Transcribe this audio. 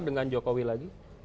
dengan jokowi lagi